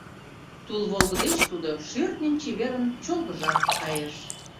Тул волгыдеш тудо шӧртньын, чеверын чолгыжалт кайыш.